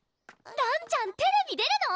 らんちゃんテレビ出るの？